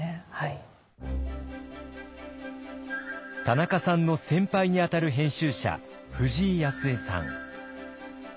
田中さんの先輩に当たる編集者藤井康栄さん。